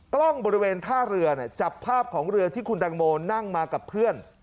กล้องบริเวณท่าเรือจับภาพของเรือที่คุณตังโมนั่งมากับเพื่อน